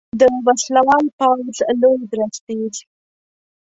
د وسلوال پوځ لوی درستیز